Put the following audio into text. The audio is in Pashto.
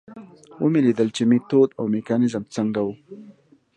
ومې لیدل چې میتود او میکانیزم څنګه و.